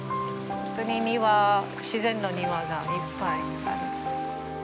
本当に自然の庭がいっぱいある。